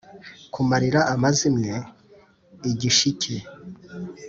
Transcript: kumarira amazimwe i gishike